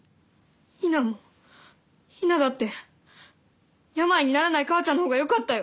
雛も雛だって病にならない母ちゃんの方がよかったよ！